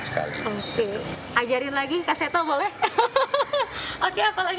sekali oke ajarin lagi